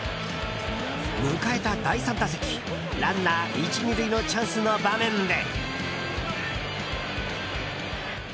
迎えた第３打席ランナー１、２塁のチャンスの場面で。